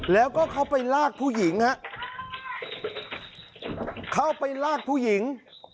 แล้วก็เข้าไปลากผู้หญิงฮะเข้าไปลากผู้หญิง